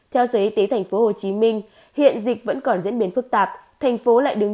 theo sở y tế tp hcm hiện dịch vẫn còn diễn biến phức tạp